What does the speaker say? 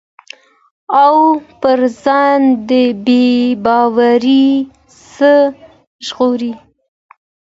او پر ځان د بې باورٸ څخه ژغوري